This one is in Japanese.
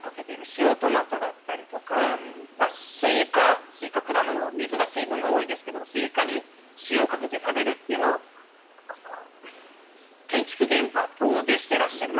塩トマトだったりとかスイカ、果物水が多いですけどスイカに塩をかけて食べるというのも建築現場等でしてらっしゃる。